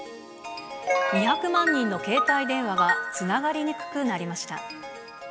２００万人の携帯電話がつながりにくくなりました。